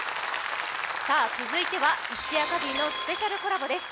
続いては一夜かぎりのスペシャルコラボです。